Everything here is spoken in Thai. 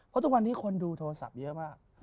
เพราะทุกวันนี้คนดูโทรศัพท์เยอะมาก